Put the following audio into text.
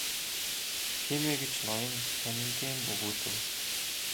Тийм ээ гэж ноён Каннингем өгүүлэв.